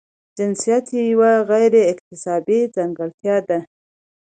جنسیت یوه غیر اکتسابي ځانګړتیا ده.